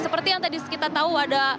seperti yang tadi kita tahu ada